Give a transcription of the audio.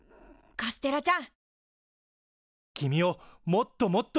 カステラじゃん。